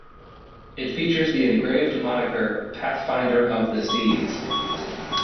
It features the engraved moniker "Pathfinder of the Seas".